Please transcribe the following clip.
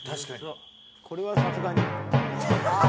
「これはさすがに」